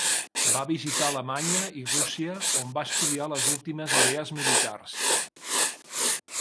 Va visitar Alemanya i Rússia, on va estudiar les últimes idees militars.